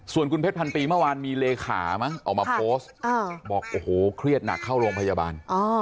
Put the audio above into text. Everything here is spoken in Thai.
ส่วนคุณเพชรพันปีเมื่อวานมีเลขามั้งออกมาโพสต์บอกโอ้โหเครียดหนักเข้าโรงพยาบาล